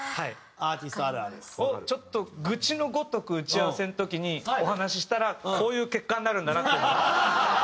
アーティストあるある。をちょっと愚痴のごとく打ち合わせの時にお話ししたらこういう結果になるんだなっていうのを。